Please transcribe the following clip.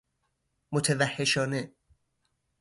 متوحشانه